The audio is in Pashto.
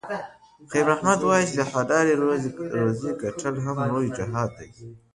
خیر محمد وایي چې د حلالې روزۍ ګټل هم یو لوی جهاد دی.